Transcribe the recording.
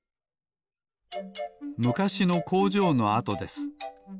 むかしのこうじょうのあとです。